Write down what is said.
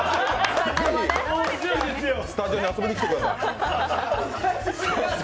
ぜひ、スタジオに遊びに来てください。